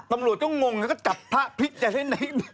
ตำรวจก็งงก็จับผ้าพี่จะให้ไหน